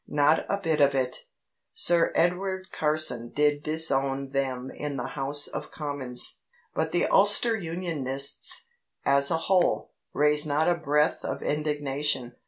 Not a bit of it. Sir Edward Carson did disown them in the House of Commons. But the Ulster Unionists, as a whole, raised not a breath of indignation.